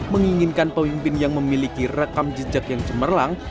menginginkan pemimpin yang memiliki rekam jejak yang cemerlang